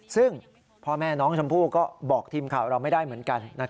ซึ่งพ่อแม่น้องชมพู่ก็บอกทีมข่าวเราไม่ได้เหมือนกัน